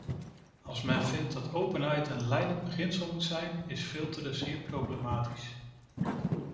Als men vindt dat openheid een leidend beginsel moet zijn, is filteren zeer problematisch.